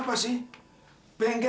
gua yo biar ngelakis